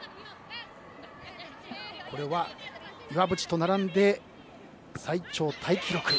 これは岩渕と並び最長タイ記録。